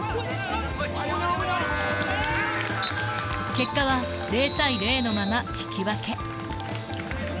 結果は０対０のまま引き分け。